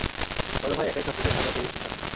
বড় ভাই একাই সবকিছু সামলাতে হিমশিম খাচ্ছে।